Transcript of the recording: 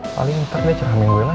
paling ntar dia cerahin gue lah